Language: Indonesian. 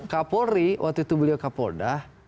kapolri waktu itu beliau kapolda